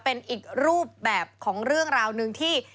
เป็นอีกรูปแบบของเรื่องราวหนึ่งที่